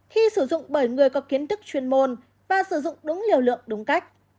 khi sử dụng bởi người có kiến thức chuyên môn và sử dụng đúng liều lượng đúng cách